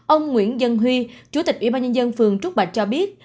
ông nguyễn dân huy chủ tịch ủy ban nhân dân phường trúc bạch cho biết